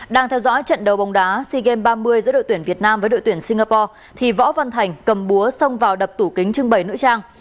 đang theo dõi trận đấu bóng đá sea games ba mươi giữa đội tuyển việt nam với đội tuyển singapore thì võ văn thành cầm búa xông vào đập tủ kính trưng bày nữ trang